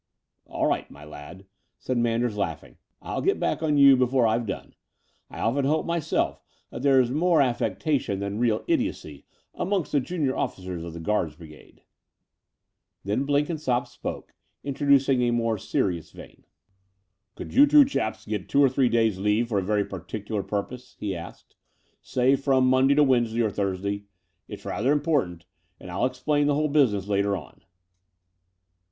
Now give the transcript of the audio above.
"All right, my lad," said Manders, laughing, "I'll get back on you before I've done. I often hope myself that there's more affectation than The Dower House 255 real idiocy amongst the jtinior officers of the Guards' Brigade." Then Blenkinsopp spoke, introducing a more serious vem. Could you two chaps get two or three days' leave for a very particular purpose," he asked — "say from Monday to Wednesday or Thursday? Ittfi^rather important; and 111 explain the whole business later on."